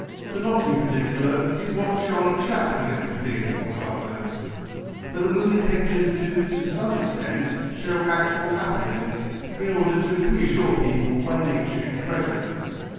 The not too particular is what Charlie Chaplin did or suffered. But the moving pictures do to some extent show actual happenings, in order to reassure people by nature incredulous.